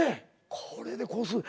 これでこうする。